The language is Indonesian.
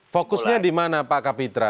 fokusnya di mana pak kapitra